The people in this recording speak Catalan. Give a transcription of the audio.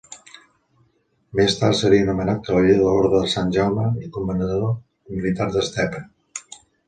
Més tard seria nomenat cavaller de l'Orde de Sant Jaume i Comanador militar d'Estepa.